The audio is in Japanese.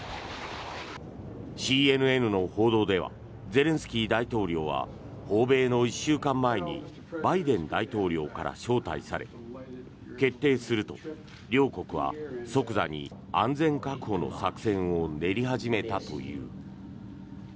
ＣＮＮの報道ではゼレンスキー大統領は訪米の１週間前にバイデン大統領から招待され決定すると両国は即座に安全確保の作戦を練り始めたという。